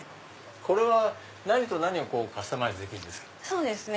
これは何と何をカスタマイズできるんですか？